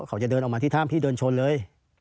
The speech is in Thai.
เขาจะเดินออกมาที่ถ้ำพี่เดินชนเลย